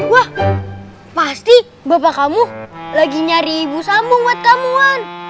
wah pasti bapak kamu lagi nyari ibu sambung buat kamuan